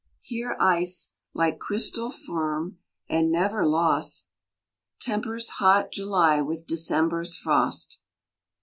Here ice, like crystal firm, and never lost, Tempers hot July with December's frost.